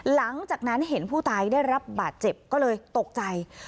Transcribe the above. หลังจากนั้นเห็นผู้ตายได้รับบาดเจ็บก็เลยตกใจ